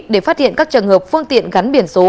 để phát hiện các trường hợp phương tiện gắn biển số